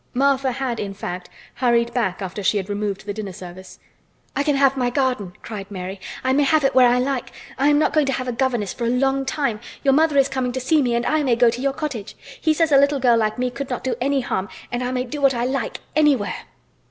Martha had, in fact, hurried back after she had removed the dinner service. "I can have my garden!" cried Mary. "I may have it where I like! I am not going to have a governess for a long time! Your mother is coming to see me and I may go to your cottage! He says a little girl like me could not do any harm and I may do what I like—anywhere!"